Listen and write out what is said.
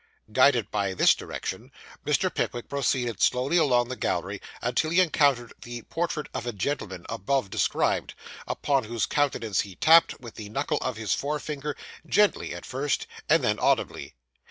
Guided by this direction, Mr. Pickwick proceeded slowly along the gallery until he encountered the 'portrait of a gentleman,' above described, upon whose countenance he tapped, with the knuckle of his forefinger gently at first, and then audibly.